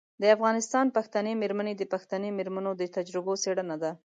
د افغانستان پښتنې میرمنې د پښتنې میرمنو د تجربو څیړنه ده.